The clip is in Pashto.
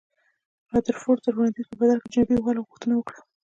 د رادرفورډ د وړاندیز په بدل کې جنوبي والو غوښتنه وکړه.